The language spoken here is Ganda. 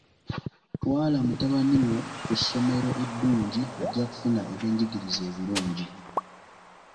Twala mutabani wo ku ssomero eddungi ajja kufuna ebyenjigiriza ebirungi.